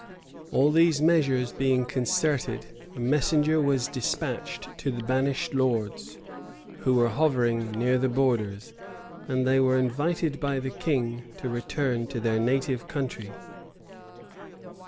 [] All these measures being concerted, a messenger was despatched to the banished lords, who were hovering near the borders; and they were invited by the king to return to their native country.